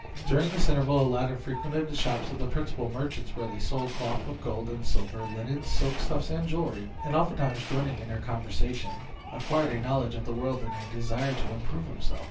During this interval, Aladdin frequented the shops of the principal merchants, where they sold cloth of gold and silver, linens, silk stuffs, and jewelry, and oftentimes joining in their conversation, acquired a knowledge of the world and a desire to improve himself.